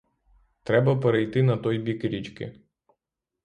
Треба перейти на той бік річки.